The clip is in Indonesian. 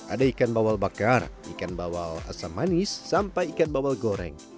ada ikan bawal bakar ikan bawal asam manis sampai ikan bawal goreng